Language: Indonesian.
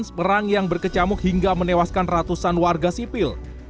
ketua dan kementerian kesehatan palestina menyebutkan perang tersebut sebagai perang tersebut